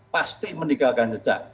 pasti meninggalkan jejak